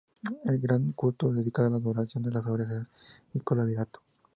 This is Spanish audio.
Un gran culto dedicado a la adoración de las orejas y cola de gato.